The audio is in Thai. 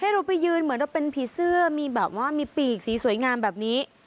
เราไปยืนเหมือนเราเป็นผีเสื้อมีแบบว่ามีปีกสีสวยงามแบบนี้